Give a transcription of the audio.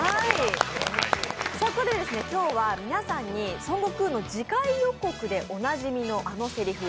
そこで、今日は皆さんに「孫悟空」の次回予告でおなじみの台詞